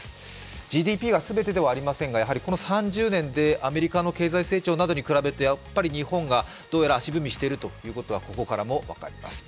ＧＤＰが全てではありませんがこの３０年でアメリカの経済成長に比べてやはり日本がどうやら足踏みしていることはここからも分かります。